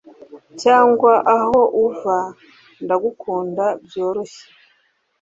cyangwa aho uva Ndagukund byoroshye